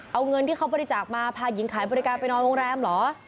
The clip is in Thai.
เอาเงินที่เขาบริจาคมาพาหญิงขายบริการไปนอนโรงแรมเหรอ